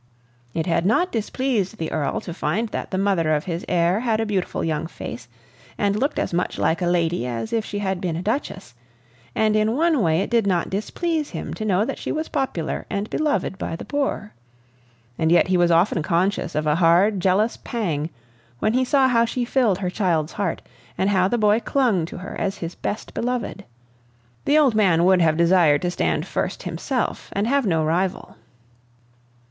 It had not displeased the Earl to find that the mother of his heir had a beautiful young face and looked as much like a lady as if she had been a duchess; and in one way it did not displease him to know that she was popular and beloved by the poor. And yet he was often conscious of a hard, jealous pang when he saw how she filled her child's heart and how the boy clung to her as his best beloved. The old man would have desired to stand first himself and have no rival.